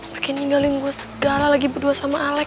makin ninggalin gue segala lagi berdua sama alex